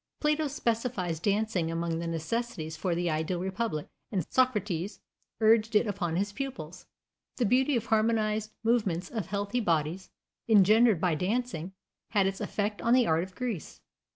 Plato specifies dancing among the necessities for the ideal republic, and Socrates urged it upon his pupils. The beauty of harmonized movements of healthy bodies, engendered by dancing, had its effect on the art of Greece.